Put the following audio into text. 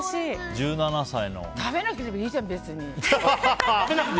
食べなければいいじゃん、別に。